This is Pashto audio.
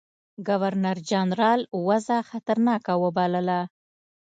ګورنرجنرال وضع خطرناکه وبلله.